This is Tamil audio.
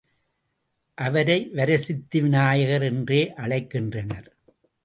அவரை வரசித்தி விநாயகர் என்றே அழைக்கின்றனர்.